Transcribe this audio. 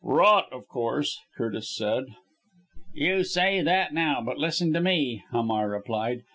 "Rot, of course!" Curtis said. "You say that now. But, listen to me," Hamar replied.